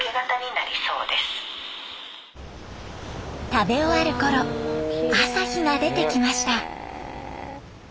食べ終わるころ朝日が出てきました。